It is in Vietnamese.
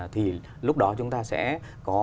thì lúc đó chúng ta sẽ có